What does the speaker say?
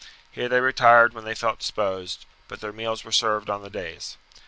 Here they retired when they felt disposed, but their meals were served on the dais.